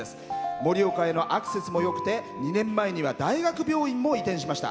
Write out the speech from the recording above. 盛岡へのアクセスもよくて２年前には大学病院も移転しました。